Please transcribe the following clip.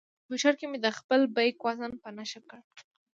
کمپیوټر کې مې د خپل بیک وزن په نښه کړ.